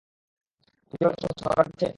তুমি যেভাবে কষ্ট পাচ্ছ অন্যরা কি পাচ্ছে?